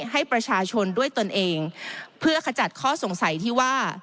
ให้ประชาชนด้วยตนเองเพื่อขจัดข้อสงสัยที่ว่า